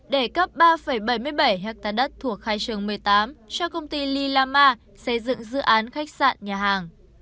để cấp ba bảy mươi bảy hectare đất thuộc khai trường một mươi tám cho công ty lilama xây dựng dự án khách sạn nhà hàng